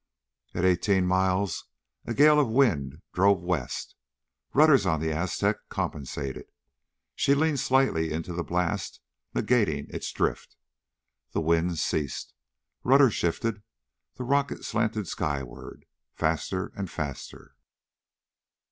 At eighteen miles a gale of wind drove west. Rudders on the Aztec compensated, she leaned slightly into the blast, negating its drift. The winds ceased ... rudders shifted ... the rocket slanted skyward. Faster ... faster.